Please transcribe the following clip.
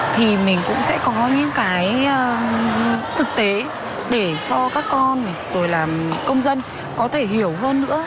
thì mình cũng sẽ có những cái thực tế để cho các con rồi là công dân có thể hiểu hơn nữa